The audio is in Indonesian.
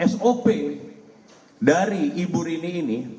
sop dari ibu rini ini